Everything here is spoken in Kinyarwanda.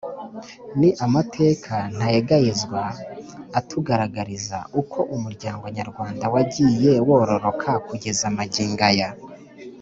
Ni amateka ntayegayezwa atugaragariza uko umuryango nyarwanda wagiye wororoka kugeza magingo aya.